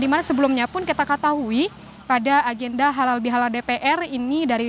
dimana sebelumnya pun kita ketahui pada agenda halal bihalal dpr ini